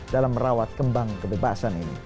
dalam merawat kembang kebebasan ini